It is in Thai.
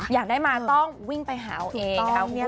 อยากได้มาต้องวิ่งไปหาเอาเองนะคะ